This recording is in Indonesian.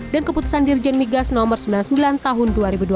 dan keputusan dirjen migas no sembilan puluh sembilan tahun dua ribu dua puluh tiga